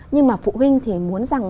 nhưng mà phụ huynh thì muốn rằng